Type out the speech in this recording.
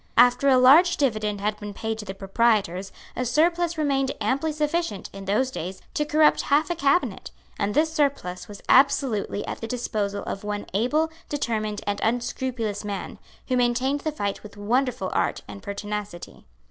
After a large dividend had been paid to the proprietors, a surplus remained amply sufficient, in those days, to corrupt half a cabinet; and this surplus was absolutely at the disposal of one able, determined and unscrupulous man, who maintained the fight with wonderful art and pertinacity.